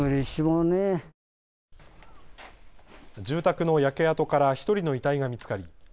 住宅の焼け跡から１人の遺体が見つかり